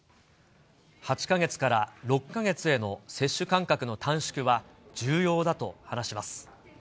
８か月から６か月への接種間隔の短縮は重要だと話します。